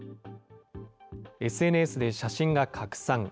ＳＮＳで写真が拡散。